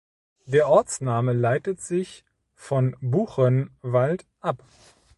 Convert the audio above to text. Der Ortsname leitet sich von Buche(nwald) ab.